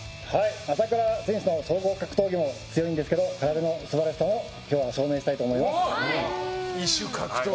朝倉選手は総合格闘技も強いんですけど空手の素晴らしさを今日は証明したいと思います。